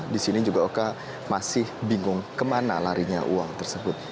di sini juga oka masih bingung kemana larinya uang tersebut